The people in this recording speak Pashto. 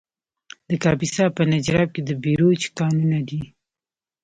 د کاپیسا په نجراب کې د بیروج کانونه دي.